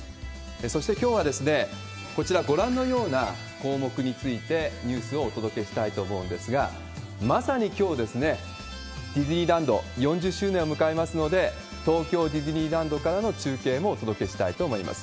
そして、きょうはこちら、ご覧のような項目について、ニュースをお届けしたいと思うんですが、まさにきょう、ディズニーランド、４０周年を迎えますので、東京ディズニーランドからの中継もお届けしたいと思います。